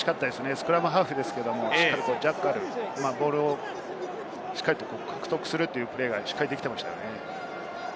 スクラムハーフですけれどジャッカル、ボールをしっかり獲得するというプレーができていました。